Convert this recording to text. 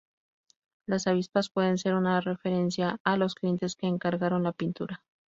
Las avispas pueden ser una referencia a los clientes que encargaron la pintura.